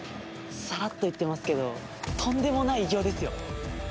サラッと言ってますけどとんでもない偉業ですよ！